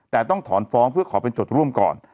แต่ต้องถอนฟ้องเพื่อขอเป็นจดร่วมก่อน